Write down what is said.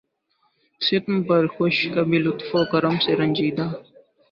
ستم پہ خوش کبھی لطف و کرم سے رنجیدہ